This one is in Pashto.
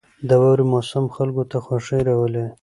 • د واورې موسم خلکو ته خوښي راولي.